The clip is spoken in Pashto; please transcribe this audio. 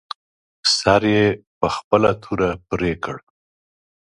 سر یې په خپله توره پرې کړ.